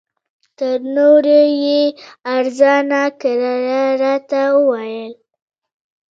تر نورو یې ارزانه کرایه راته وویل.